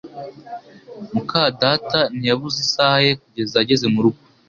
muka data ntiyabuze isaha ye kugeza ageze murugo